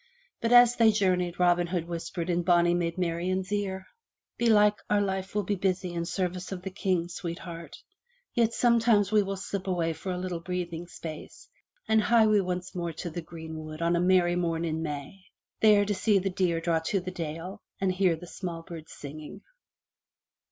But as they jour neyed, Robin Hood whispered in bonny Maid Marian's ear: "Belike our life will be busy in service of the King, sweet heart; yet sometimes we will slip away for a little breathing space and hie us once more to the greenwood on a merry morn in May, there to see the deer draw to the dale and hear the small birds singing."